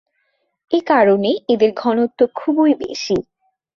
এ কারণে এদের ঘনত্ব খুবই বেশি।